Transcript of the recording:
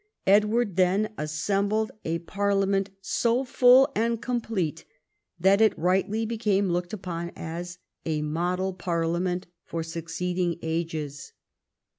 Edward then assembled a parliament so full and complete that it rightly became looked upon as a Model Parliament for succeeding ages.